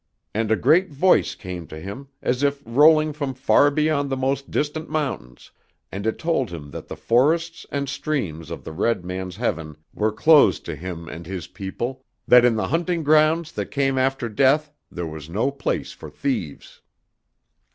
And a great voice came to him, as if rolling from far beyond the most distant mountains, and it told him that the forests and streams of the red man's heaven were closed to him and his people, that in the hunting grounds that came after death there was no place for thieves.